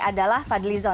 adalah fadli zon